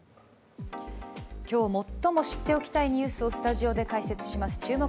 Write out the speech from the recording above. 今日最も知っておきたいニュースをスタジオで解説します注目！